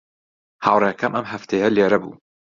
هاوڕێکەم ئەم هەفتەیە لێرە بووە.